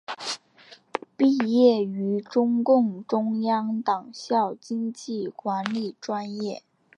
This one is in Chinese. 毕业于中共中央党校经济管理专业。